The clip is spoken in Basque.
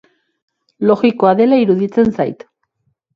Logikoa dela iruditzen zait.